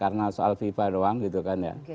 karena soal fifa doang gitu kan ya